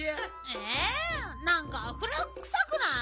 えなんか古くさくない？